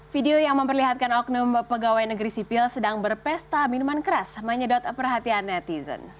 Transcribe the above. video yang memperlihatkan oknum pegawai negeri sipil sedang berpesta minuman keras menyedot perhatian netizen